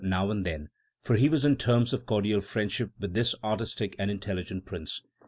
now and then, for he was on terms of cordial friendship with this artistic and intelligent prince.